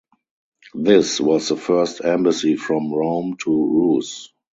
This was the first embassy from Rome to Rus.